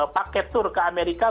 paket tur ke amerika